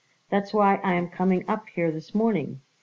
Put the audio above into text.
That's why I am coming up here this morning.